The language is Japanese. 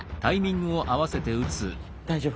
大丈夫？